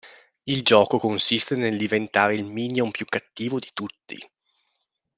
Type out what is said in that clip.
Il gioco consiste nel diventare il Minion più cattivo di tutti.